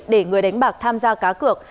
để người đánh bạc tham gia cá cược